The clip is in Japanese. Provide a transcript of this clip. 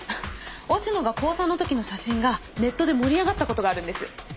忍野が高３の時の写真がネットで盛り上がった事があるんです。